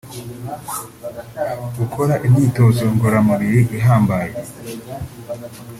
gukora imyitozo ngororangingo ihambaye